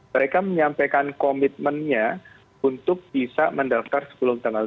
mereka menyampaikan komitmennya untuk bisa mendaftar sepuluh tanggal dua puluh